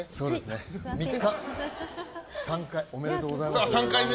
３回、おめでとうございます。